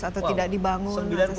atau tidak dibangun